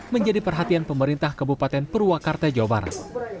menjadi perhatian pemerintah kabupaten purwakarta jawa barat